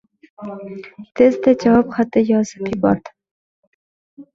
Tezda javob xati yozib yubordim.